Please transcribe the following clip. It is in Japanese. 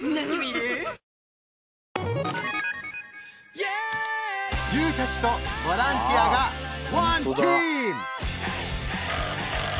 ＹＯＵたちとボランティアがワンチーム！